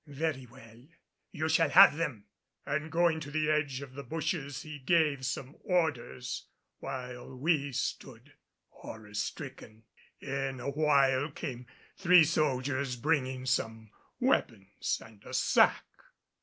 "Very well, you shall have them!" And going to the edge of the bushes he gave some orders, while we stood horror stricken. In a while came three soldiers bringing some weapons and a sack.